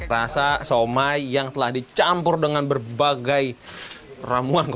rasa somai yang telah dicampur dengan berbagai ramuan